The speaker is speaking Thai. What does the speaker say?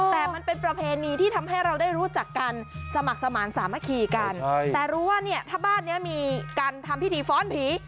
แต่มันเป็นประเพณีที่ทำให้เราได้รู้จักกันสมัครสมาธิสามัคคีกันแต่รู้ว่าเนี่ยถ้าบ้านนี้มีการทำพิธีฟ้อนผี